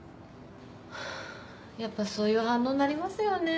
はぁやっぱそういう反応になりますよね。